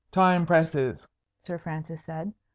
"Time presses," Sir Francis said.